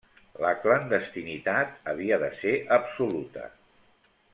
La clandestinitat havia de ser absoluta.